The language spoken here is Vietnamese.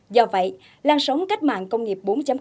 do vậy làn sóng cách mạng công nghiệp bốn